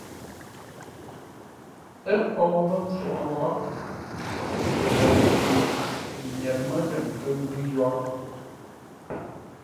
Ə́ pou mbə́ mpfu wo, lələʉ pye nyer mə́ lə̂ nkə́ ngʉ́ yórə́.